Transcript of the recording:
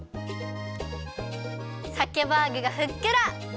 さけバーグがふっくら！